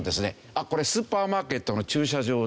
「あっこれスーパーマーケットの駐車場だ」